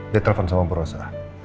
dia telepon sama purwosa